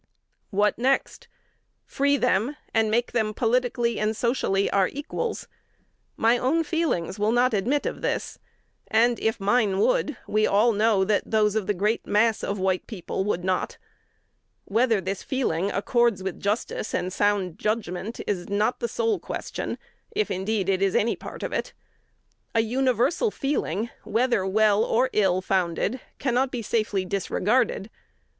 What next? Free them, and make them politically and socially our equals? My own feelings will not admit of this; and, if mine would, we all know that those of the great mass of white people would not. Whether this feeling accords with justice and sound judgment is not the sole question, if, indeed, it is any part of it. A universal feeling, whether well or ill founded, cannot be safely disregarded.